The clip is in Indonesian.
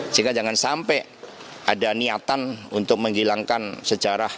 sehingga jangan sampai ada niatan untuk menghilangkan sejarah